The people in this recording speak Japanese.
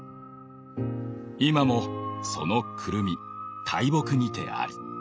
今もその胡桃大木にてあり。